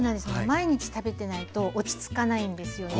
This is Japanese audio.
毎日食べてないと落ち着かないんですよね。